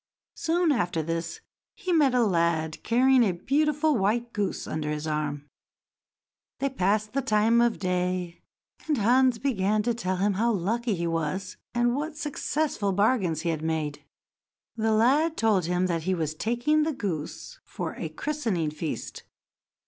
Soon after this, he met a lad carrying a beautiful white goose under his arm. They passed the time of day, and Hans began to tell him how lucky he was, and what successful bargains he had made. The lad told him that he was taking the goose for a christening feast.